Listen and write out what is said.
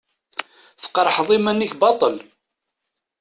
Tqerḥeḍ iman-ik baṭṭel.